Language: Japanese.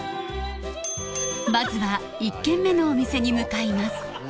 まずは１軒目のお店に向かいます